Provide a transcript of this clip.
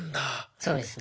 そうですね。